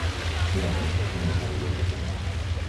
Què va fer en el camí de retorn?